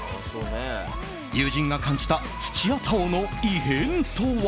友人が感じた土屋太鳳の異変とは。